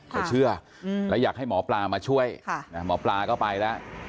เขาเชื่อแล้วอยากให้หมอปลามาช่วยหมอปลาก็ไปแล้ว